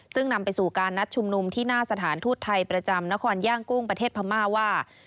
ซึ่งนำไปสู่การนัดชุมนุมที่หน้าสถานทูตไทยประจำนครย่างกุ้งประเทศพม่าว่า